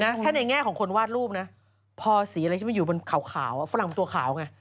คือแค่ในแง่ของคนวาดรูปนะพอสีอะไรอยู่บนขาวฝรั่งมันตัวขาวไง